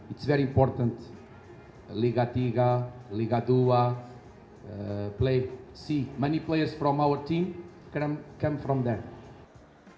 ini sangat penting liga tiga liga dua banyak pemain dari tim kita datang dari sana